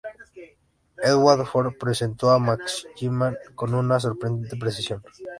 Edward Fox representó a Macmillan con una sorprendente precisión.